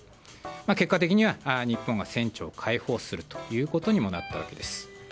結果的には日本が船長を解放するということにもなったわけです。